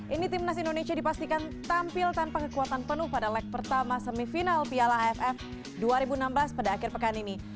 ini timnas indonesia dipastikan tampil tanpa kekuatan penuh pada leg pertama semifinal piala aff dua ribu enam belas pada akhir pekan ini